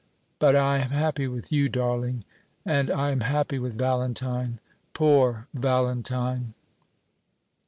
But I am happy with you, darling; and I am happy with Valentine. Poor Valentine!"